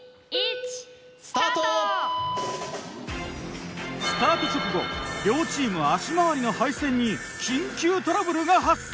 （菊田スタート直後両チーム足回りの配線に緊急トラブルが発生。